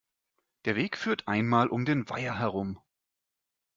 Der Weg führt einmal um den Weiher herum.